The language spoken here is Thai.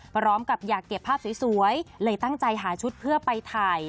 พร้อมกับอยากเก็บภาพสวยเลยตั้งใจหาชุดเพื่อไปถ่าย